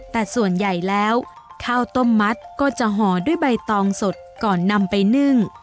แต่ส่วนใหญ่แล้วข้าวต้มมัดก็จะห่อด้วยใบตองสดก่อนนำไปนึ่ง